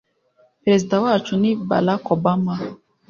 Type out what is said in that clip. perezida wacu ni barack obama